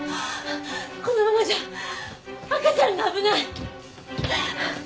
このままじゃ赤ちゃんが危ない！